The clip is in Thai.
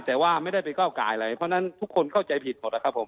แต่ว่าไม่ได้ไปก้าวกายอะไรเพราะฉะนั้นทุกคนเข้าใจผิดหมดนะครับผม